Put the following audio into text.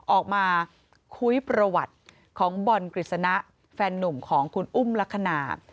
ออกมาคุยประวัติของบอลกฤษณะแฟนนุ่มของคุณอุ้มลักษณะ